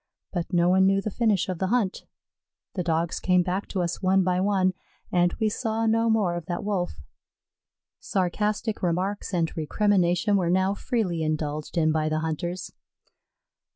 But no one knew the finish of the hunt. The Dogs came back to us one by one, and we saw no more of that Wolf. Sarcastic remarks and recrimination were now freely indulged in by the hunters.